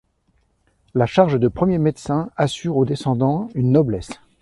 La charge de premier médecin assure aux descendants une noblesse.